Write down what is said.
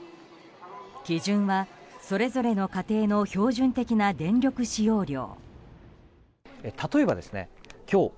基準はそれぞれの家庭の標準的な電力使用量。